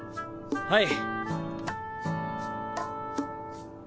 はい。